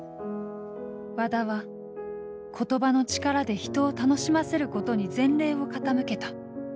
和田は言葉の力で人を楽しませることに全霊を傾けた。